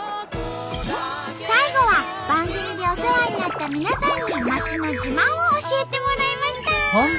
最後は番組でお世話になった皆さんに街の自慢を教えてもらいました。